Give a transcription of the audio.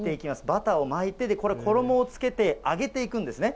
バターを巻いて、これに衣をつけて、揚げていくんですね。